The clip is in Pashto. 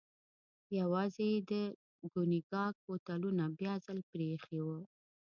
یوازې یې د کونیګاک بوتلونه بیا ځل پرې ایښي و.